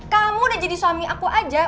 kamu udah jadi suami aku aja